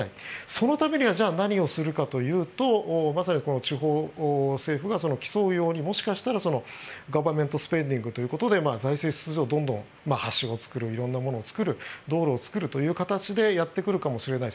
そのためにはじゃあ何をするかというとまさに地方政府が競うようにもしかしたらガバメントスペンディングということで財政出動、どんどん橋を作る色んなものを作る道路を作るという形でやってくるかもしれない。